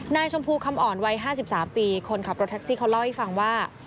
นายชมพูคำอ่อนวัย๕๓ปีคนขับรถแท็กซี่เขาเล่าให้ฟังว่า